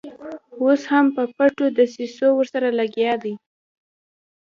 اوس هم په پټو دسیسو ورسره لګیا دي.